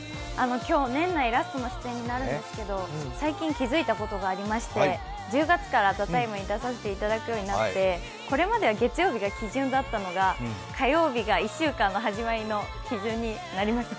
今日、年内ラストの出演になるんですけど、最近、気づいたことがありまして１０月から「ＴＨＥＴＩＭＥ，」に出させていただくことになりましてこれまでは月曜日が基準だったのが火曜日が１週間の始まりの基準になりました。